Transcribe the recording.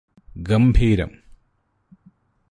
ഗംഭീരം